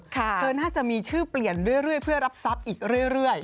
เธอน่าจะมีชื่อเปลี่ยนเรื่อยเพื่อรับทรัพย์อีกเรื่อย